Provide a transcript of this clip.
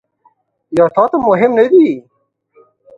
یا تا ته مهم نه دي ؟